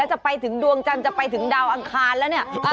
จะไปถึงดวงจันทร์จะไปถึงดาวอังคารแล้วเนี่ย